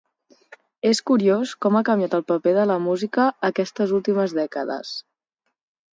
És curiós com ha canviat el paper de la música aquestes últimes dècades